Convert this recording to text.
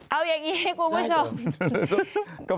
เอาอย่างนี้เขาไม่ชอบ